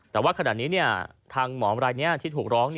แต่ว่าขนาดนี้ทางหมออะไรที่ถูกร้อง